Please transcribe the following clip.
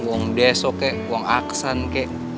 uang deso ke uang aksan kek